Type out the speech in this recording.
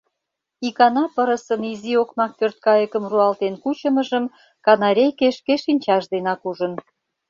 Икана пырысын изи окмак пӧрткайыкым руалтен кучымыжым канарейке шке шинчаж денак ужын.